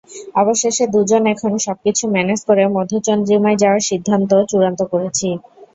অবশেষে দুজন এখন সবকিছু ম্যানেজ করে মধুচন্দ্রিমায় যাওয়ার সিদ্ধান্ত চূড়ান্ত করেছি।